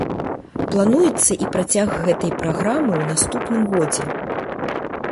Плануецца і працяг гэтай праграмы ў наступным годзе.